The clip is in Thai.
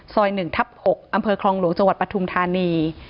๑ทับ๖อำเภอคลองหลวงจังหวัดปฐุมธานี